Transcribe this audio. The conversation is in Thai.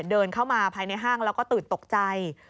เดินเข้ามาภายในห้างแล้วก็ตื่นตกใจ